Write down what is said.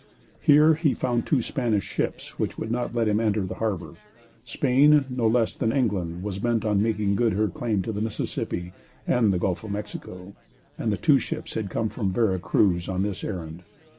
Here he found two Spanish ships, which would not let him enter the harbor. Spain, no less than England, was bent on making good her claim to the Mississippi and the Gulf of Mexico, and the two ships had come from Vera Cruz on this errand.